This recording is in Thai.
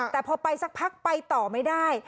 แต่พอไปสักพักไปต่อไม่ได้